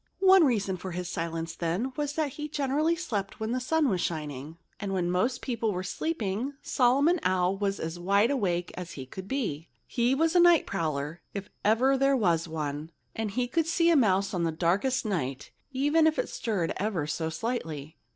One reason for his silence then was that he generally slept when the sun was shining. And when most people were sleeping, Solomon Owl was as wide awake as he could be. He was a night prowler—if ever there was one. And he could see a mouse on the darkest night, even if it stirred ever so slightly.